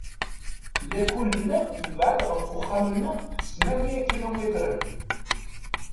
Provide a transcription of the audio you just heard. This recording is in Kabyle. Lakul-nneɣ yebɛed ɣef uxxam-nneɣ s tmanya ikilumitren.